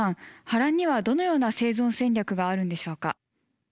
ハランにはどのような生存戦略があるんでしょうか？